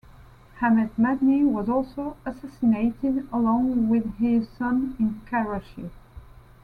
Ahmed Madni was also assassinated, along with his son, in Karachi.